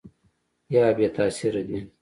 یا بې تاثیره دي ؟